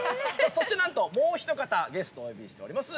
◆そして、なんともう一方ゲストをお呼びしております。